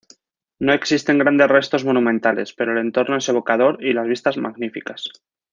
No existen grandes restos monumentales, pero el entorno es evocador y las vistas magníficas.